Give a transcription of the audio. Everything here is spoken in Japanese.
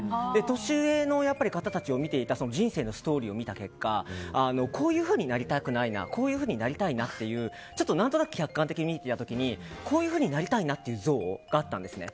年上の方たちを見ていた人生のストーリーを見た結果こういうふうになりたいなこういうふうになりたいなという何となく客観的に見ていた時にこういうふうになりたいなという像があったんですね。